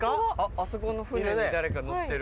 あそこの船に誰か乗ってる。